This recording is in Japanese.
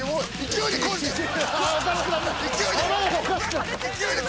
勢いでこうして。